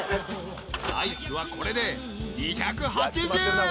［ライスはこれで２８０円］